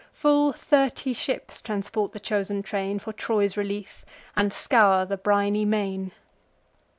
Full thirty ships transport the chosen train For Troy's relief, and scour the briny main.